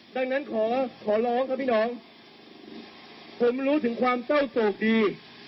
ดังนั้นขอขอร้องครับพี่น้องผมรู้ถึงความเศร้าโศกดี